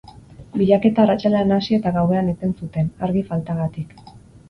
Bilaketa arratsaldean hasi eta gauean eten zuten, argi faltagatik.